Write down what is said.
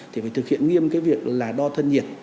thì phải thực hiện nghiêm cái việc là đo thân nhiệt